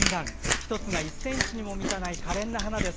１つが１ｃｍにも満たないかれんな花です。